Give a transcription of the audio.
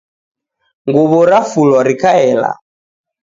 Nguw'o rafulwa rikaela.